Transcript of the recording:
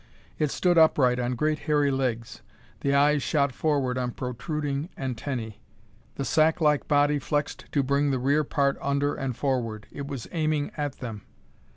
It stood upright on great hairy legs. The eyes shot forward on protruding antennae. The sack like body flexed to bring the rear part under and forward. It was aiming at them.